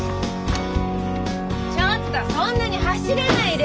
ちょっとそんなに走らないで。